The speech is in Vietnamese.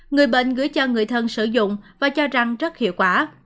người bệnh gửi cho người thân sử dụng và cho rằng rất hiệu quả